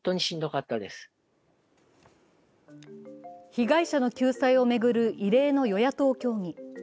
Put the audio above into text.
被害者の救済を巡る異例の与野党協議。